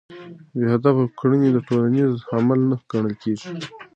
بې هدفه کړنې ټولنیز عمل نه ګڼل کېږي.